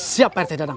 siap pak rt dadang